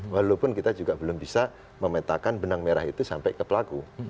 walaupun kita juga belum bisa memetakan benang merah itu sampai ke pelaku